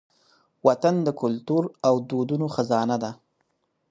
وطن د کلتور او دودونو خزانه ده.